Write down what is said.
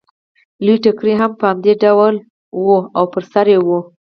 لوی ټکری یې هم په همدې ډول و او پر سر یې و